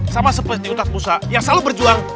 sama seperti ustadz musa yang selalu berjuang